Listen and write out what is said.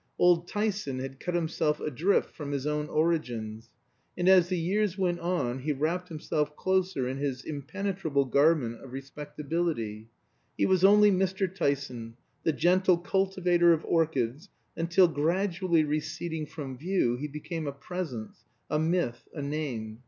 Old Tyson had cut himself adrift from his own origins. And as the years went on he wrapped himself closer in his impenetrable garment of respectability; he was only Mr. Tyson, the gentle cultivator of orchids, until, gradually receding from view, he became a presence, a myth, a name.